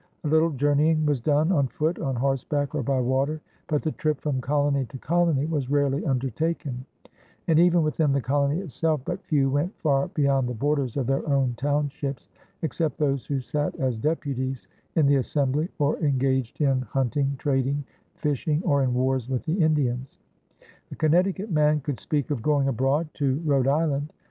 A little journeying was done on foot, on horseback, or by water, but the trip from colony to colony was rarely undertaken; and even within the colony itself but few went far beyond the borders of their own townships, except those who sat as deputies in the assembly or engaged in hunting, trading, fishing, or in wars with the Indians. A Connecticut man could speak of "going abroad" to Rhode Island.